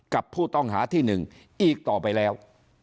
กับผู้ต้องหาที่๑อีกต่อไปแล้ว